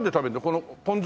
このポン酢？